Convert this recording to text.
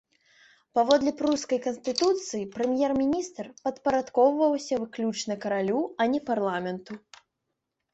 Паводле прускай канстытуцыі, прэм'ер-міністр падпарадкоўваўся выключна каралю, а не парламенту.